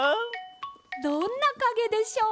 どんなかげでしょう？